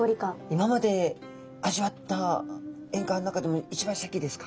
今まで味わったえんがわの中でも一番シャキですか？